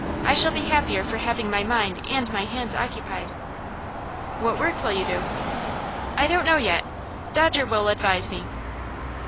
I shall be happier for having my mind and my hands occupied." "What work will you do?" "I don't know yet. Dodger will advise me."